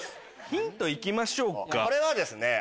ヒント行きましょうか。